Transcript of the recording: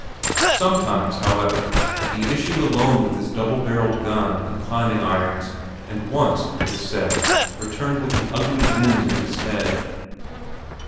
Sometimes, however, he issued alone with his double barreled gun and climbing irons, and once, it is said, returned with an ugly wound in his head.